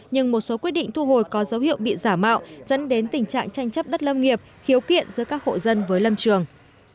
nhưng một số quyết định thu hồi có dấu hiệu bị giả mạo dẫn đến tình trạng tranh chấp đất lâm nghiệp khiếu kiện giữa các hộ dân với lâm trường